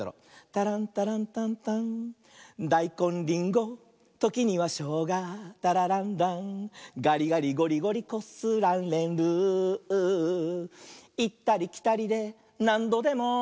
「タランタランタンタン」「だいこんりんごときにはしょうがタラランラン」「がりがりごりごりこすられる」「いったりきたりでなんどでも」